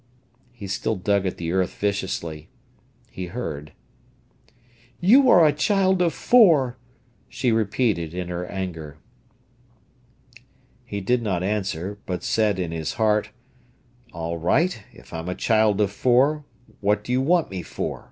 _" He still dug at the earth viciously. He heard. "You are a child of four," she repeated in her anger. He did not answer, but said in his heart: "All right; if I'm a child of four, what do you want me for?